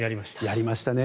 やりましたね。